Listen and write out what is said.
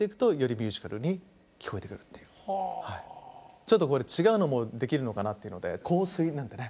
ちょっとこれ違うのもできるのかなっていうので「香水」なんてね。